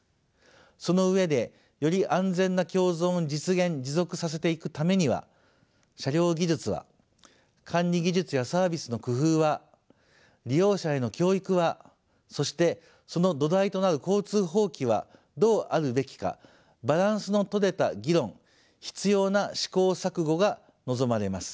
その上でより安全な共存を実現持続させていくためには車両技術は管理技術やサービスの工夫は利用者への教育はそしてその土台となる交通法規はどうあるべきかバランスのとれた議論必要な試行錯誤が望まれます。